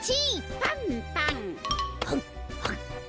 パンパン。